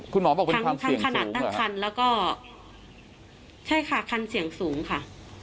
คุณหมอบอกว่าทั้งคันขนาดตั้งคันแล้วก็ใช่ค่ะคันเสี่ยงสูงค่ะ